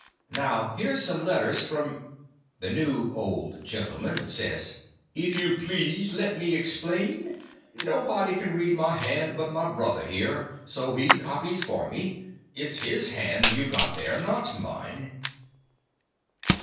Now, here's some letters from—" The new old gentleman says: "If you please, let me explain. Nobody can read my hand but my brother there—so he copies for me. It's his hand you've got there, not mine."